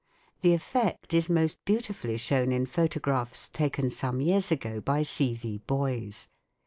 The effect is most beautifully shown in photographs taken some years ago by C. V. Boys.